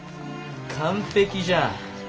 完璧じゃん。